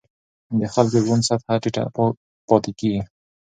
د خلکو د ژوند سطحه ټیټه پاتې کېږي.